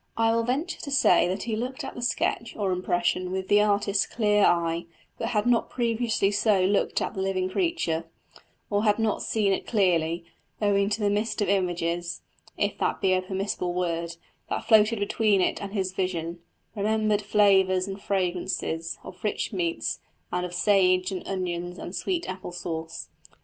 I will venture to say that he looked at the sketch or impression with the artist's clear eye, but had not previously so looked at the living creature; or had not seen it clearly, owing to the mist of images if that be a permissible word that floated between it and his vision remembered flavours and fragrances, of rich meats, and of sage and onions and sweet apple sauce.